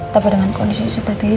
tapi dengan kondisi seperti ini